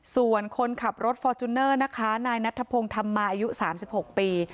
ส่วนคนขับรถฟอร์จูเนอร์นะคะนายนัทพงศ์ธรรมาอายุ๓๖ปี